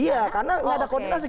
iya karena nggak ada koordinasi